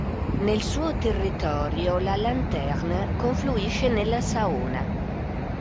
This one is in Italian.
Nel suo territorio la Lanterne confluisce nella Saona.